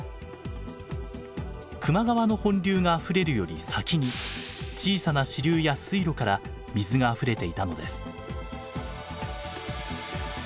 球磨川の本流があふれるより先に小さな支流や水路から水があふれていたのです。